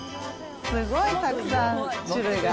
すごいたくさん種類が。